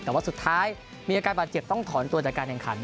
แต่ว่าสุดท้ายมีอาการบาดเจ็บต้องถอนตัวจากการแข่งขัน